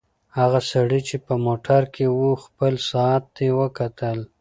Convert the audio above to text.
هغه سړی چې په موټر کې و خپل ساعت ته وکتل.